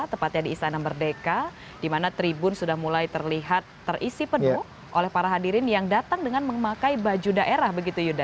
tepatnya di istana merdeka di mana tribun sudah mulai terlihat terisi penuh oleh para hadirin yang datang dengan memakai baju daerah begitu yuda